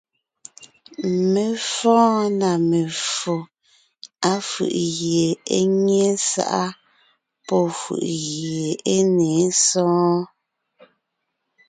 Mé fɔ́ɔn na meffo, áfʉ̀ʼ gie é nyé sáʼa pɔ́ fʉ̀ʼʉ gie é ne sɔɔn: